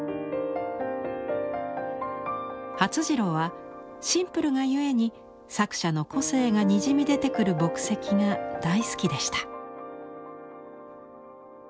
發次郎はシンプルがゆえに作者の個性がにじみ出てくる墨跡が大好きでした。